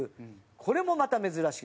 これもまた珍しい。